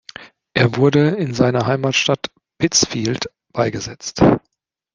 Er wurde in seiner Heimatstadt Pittsfield beigesetzt.